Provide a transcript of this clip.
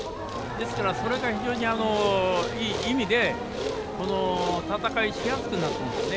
ですからそれが非常にいい意味で戦いしやすくなっていますね。